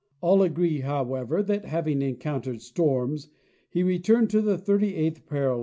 All agree, however, that, having encountered storms, he returned to the thirty eighth parallel 242 John H.